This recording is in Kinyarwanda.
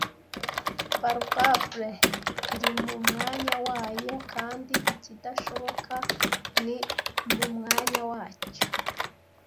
Palpable iri mu mwanya wayo kandi ikidashoboka ni mu mwanya wacyo.)